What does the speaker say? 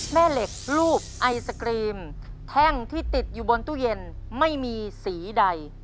แม่เหล็กรูปไอศกรีมแท่งที่ติดอยู่บนตู้เย็นไม่มีสีใด